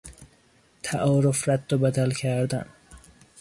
تعارف رد و بدل کردن